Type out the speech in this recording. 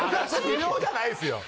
不良じゃないですよ。